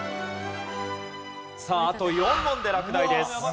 さああと４問で落第です。